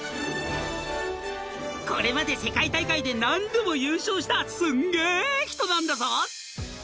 ［これまで世界大会で何度も優勝したすんげえ人なんだぞ］